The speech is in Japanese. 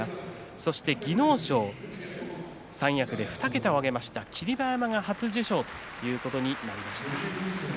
そして技能賞三役で２桁を挙げました霧馬山が初受賞ということになりました。